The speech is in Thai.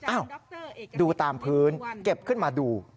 ดูตามพื้นเก็บขึ้นมาดู